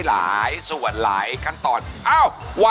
ครับผมพระธาตุรสุทธิพธ์ครับ